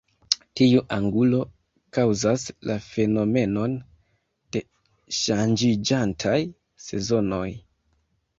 Tiu angulo kaŭzas la fenomenon de ŝanĝiĝantaj sezonoj.